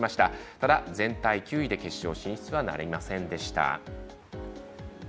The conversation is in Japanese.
ただ全体９位で決勝進出はなりませんでした。